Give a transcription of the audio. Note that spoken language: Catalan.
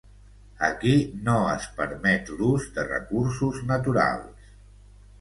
Aquí no es permet l'ús de recursos naturals.